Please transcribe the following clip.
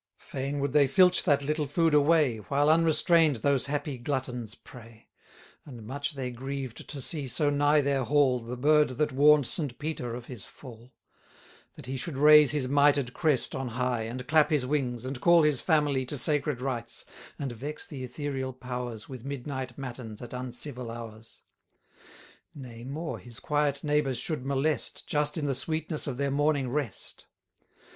Fain would they filch that little food away, While unrestrain'd those happy gluttons prey. And much they grieved to see so nigh their hall, The bird that warn'd St Peter of his fall; That he should raise his mitred crest on high, And clap his wings, and call his family To sacred rites; and vex the ethereal powers 1010 With midnight matins at uncivil hours: Nay more, his quiet neighbours should molest, Just in the sweetness of their morning rest.